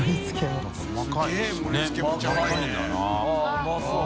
うまそう。